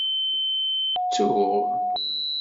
Ttuɣ.